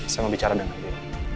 saya mau bicara dengan dia